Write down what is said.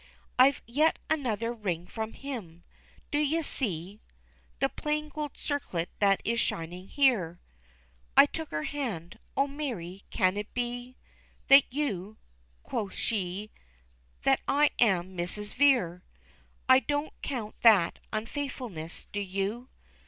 "I've yet another ring from him. D'you see The plain gold circlet that is shining here?" I took her hand: "Oh, Mary! Can it be That you" Quoth she, "that I am Mrs. Vere. I don't count that unfaithfulness. Do you?"